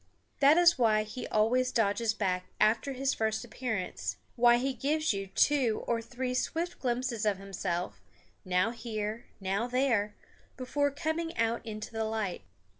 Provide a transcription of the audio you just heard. That is why he always dodges back after his first appearance; why he gives you two or three swift glimpses of himself, now here, now there, before coming out into the light.